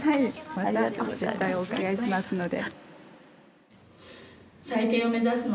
また絶対お伺いしますので。